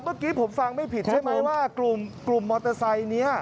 เมื่อกี้ผมฟังไม่ผิดใช่ไหมว่ากลุ่มมอเตอร์ไซค์นี้